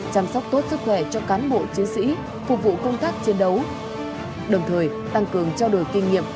chăm sóc tốt sức khỏe cho cán bộ chiến sĩ phục vụ công tác chiến đấu đồng thời tăng cường trao đổi kinh nghiệm